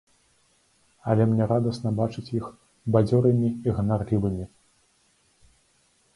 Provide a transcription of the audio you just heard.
Але мне радасна бачыць іх бадзёрымі і ганарлівымі.